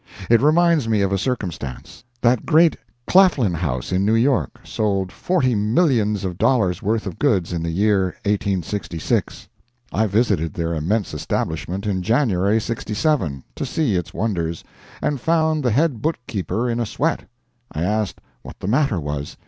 It reminds me of a circumstance. That great Claflin house in New York, sold forty millions of dollars worth of goods in the year 1866. I visited their immense establishment in January '67, to see its wonders, and found the head bookkeeper in a sweat. I asked what the matter was.